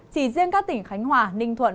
chỉ riêng các tỉnh khánh hòa ninh thuận